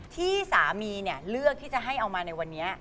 ที่สามีเลือกที่จะให้เอามาในวันนี้